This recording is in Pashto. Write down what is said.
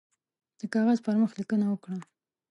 د کاغذ پر مخ لیکنه وکړه.